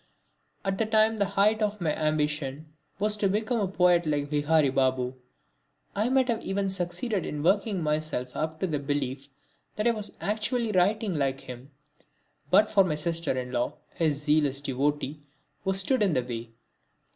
At the time the height of my ambition was to become a poet like Vihari Babu. I might have even succeeded in working myself up to the belief that I was actually writing like him, but for my sister in law, his zealous devotee, who stood in the way.